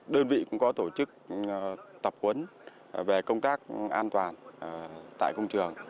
đơn vị cũng có tổ chức tập huấn về công tác an toàn tại công trường